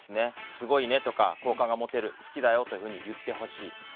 すごいねとか好感が持てる好きだよと言ってほしい。